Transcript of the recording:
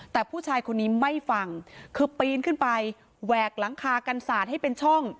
แต่ผู้ชายคนนี้ไม่ฟังคือปีนขึ้นไปแหวกหลังคากันศาสตร์ให้เป็นช่อง